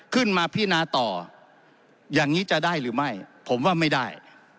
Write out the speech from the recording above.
ขึ้นมาพินาต่ออย่างนี้จะได้หรือไม่ผมว่าไม่ได้